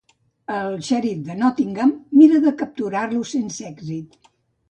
El xèrif de Nottingham mira de capturar-lo sense èxit.